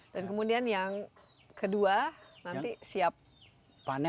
dan kemudian yang kedua nanti siap panen